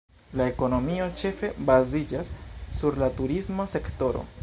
La ekonomio ĉefe baziĝas sur la turisma sektoro.